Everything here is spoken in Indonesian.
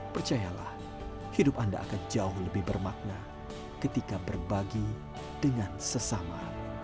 percayalah hidup anda akan jauh lebih bermakna ketika berbagi dengan sesama